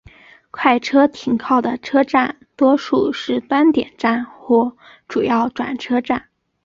快车停靠的车站多数是端点站或主要转车点。